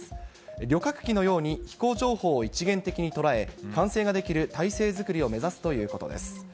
旅客機のように飛行情報を一元的に捉え、管制ができる体制作りを目指すということです。